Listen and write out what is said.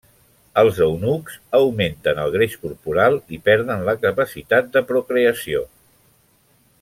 Els eunucs augmenten el greix corporal i perden la capacitat de procreació.